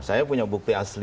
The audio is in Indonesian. saya punya bukti asli